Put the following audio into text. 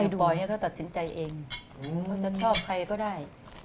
ปล่อยให้เขาตัดสินใจเองเขาจะชอบใครก็ได้